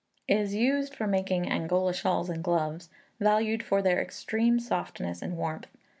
Is used for making Angola shawls and gloves, valued for their extreme softness and warmth.